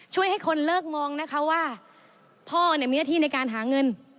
ช่วยให้คนเลิกมองนะคะว่าพ่อมีหน้าที่ในการหาเงิน